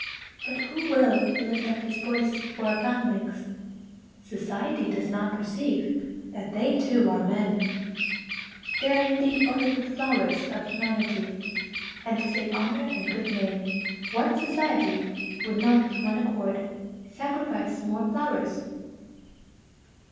But who will lift up his voice for our foundlings? Society does not perceive that they too are men; they are indeed only the "flowers" of humanity. And to save honor and good name, what society would not with one accord sacrifice more "flowers"?